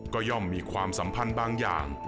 ก็ย่อมมีความสัมพันธ์บางอย่าง